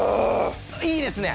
いいですね。